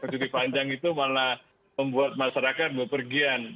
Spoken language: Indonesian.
cuti panjang itu malah membuat masyarakat berpergian